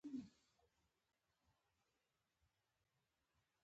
ټپي کول د ظلم یوه بڼه ده.